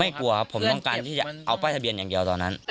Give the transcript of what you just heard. กลัวครับผมต้องการที่จะเอาป้ายทะเบียนอย่างเดียวตอนนั้น